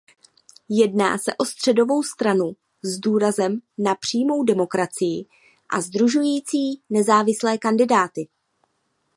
Jedná se o středovou stranu s důrazem na přímou demokracii a sdružující nezávislé kandidáty.